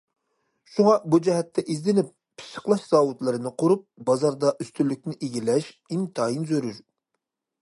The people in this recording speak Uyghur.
شۇڭا بۇ جەھەتتە ئىزدىنىپ، پىششىقلاش زاۋۇتلىرىنى قۇرۇپ، بازاردا ئۈستۈنلۈكنى ئىگىلەش ئىنتايىن زۆرۈر.